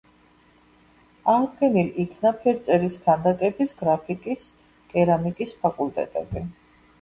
აღდგენილ იქნა ფერწერის, ქანდაკების, გრაფიკის, კერამიკის ფაკულტეტები.